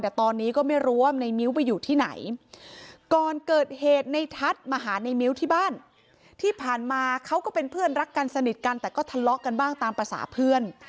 แต่ตอนนี้ก็ไม่รู้ว่าในมิ้วไปอยู่ที่ไหนก่อนเกิดเหตุในทัศน์มาหาในมิ้วที่บ้านที่ผ่านมาเขาก็เป็นเพื่อนรักกันสนิทกันแต่ก็ทะเลาะกันบ้างตามภาษาเพื่อน